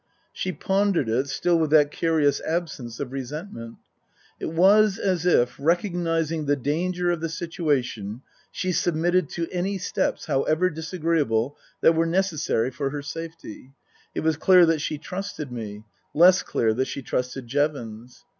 She pondered it, still with that curious absence of resentment. It was as if, recognizing the danger of the situation, she submitted to any steps, however disagreeable, that were necessary for her safety. It was clear that she trusted me ; less clear that she trusted Jevons.